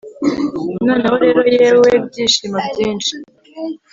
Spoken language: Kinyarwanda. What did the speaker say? Noneho rero yewe byishimo byinshi